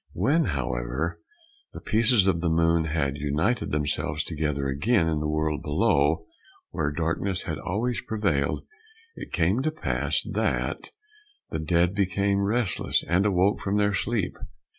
When, however, the pieces of the moon had united themselves together again in the world below, where darkness had always prevailed, it came to pass that the dead became restless and awoke from their sleep.